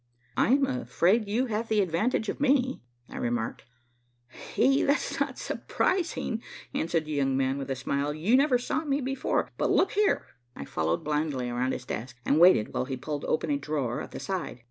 "I'm afraid you have the advantage of me," I remarked. "That's not surprising," answered the young man with a smile. "You never saw me before, but look here." I followed blindly around his desk, and waited while he pulled open a drawer at the side.